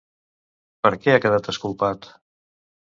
Per què ha quedat exculpat?